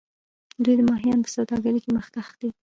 دوی د ماهیانو په سوداګرۍ کې مخکښ دي.